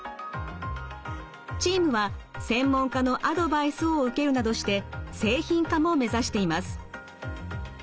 チームは専門家のアドバイスを受けるなどして製品化も目指しています。